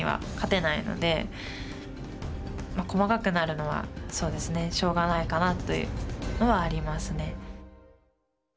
細かくなるのはそうですねしょうがないかなというのはありますね。